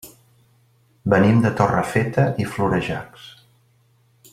Venim de Torrefeta i Florejacs.